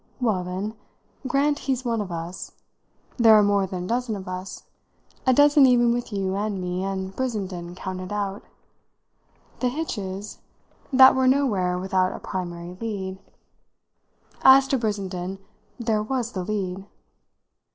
"Well, then, grant he's one of us. There are more than a dozen of us a dozen even with you and me and Brissenden counted out. The hitch is that we're nowhere without a primary lead. As to Brissenden there was the lead."